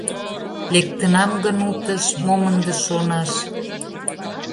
Лектынам гын утыш, Мом ынде шонаш.